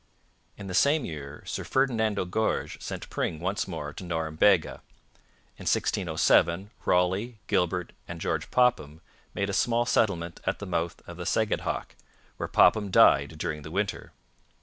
In the same year Sir Ferdinando Gorges sent Pring once more to Norumbega. In 1607 Raleigh, Gilbert, and George Popham made a small settlement at the mouth of the Sagadhoc, where Popham died during the winter.